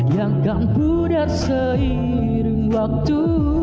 yang kan mudah seiring waktu